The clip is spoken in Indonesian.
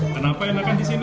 kenapa enakan di sini